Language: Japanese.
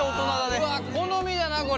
うわ好みだなこれ。